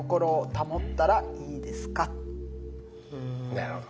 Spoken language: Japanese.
なるほど。